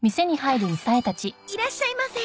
いらっしゃいませ。